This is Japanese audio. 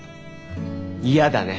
嫌だね。